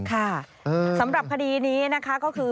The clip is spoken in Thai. ค่ะสำหรับคดีนี้นะคะก็คือ